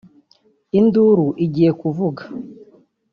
induru igiye kuvuga